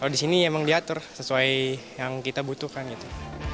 kalau di sini emang diatur sesuai yang kita butuhkan gitu